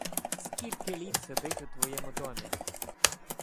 — Скільки літ сидить у твоєму домі?